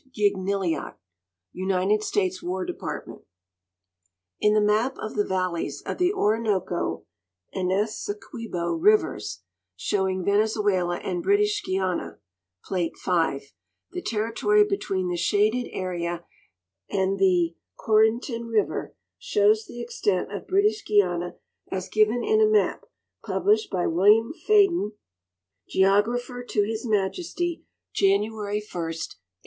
Gignilliat Uniled States War Department In the map of the valleys of the Orinoco and Esequibo rivers, showing Venezuela and British Guiana (Plate V), the territorj' between the shaded area and the Corentyn river shows the extent of British Guiana as given in a map published by William Fadon, Geographer to His Majesty, January 1, 1820.